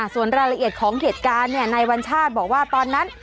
ส่วนรายละเอียดของเหตุการณ์ในวัญชาติบอกว่าตอนนั้น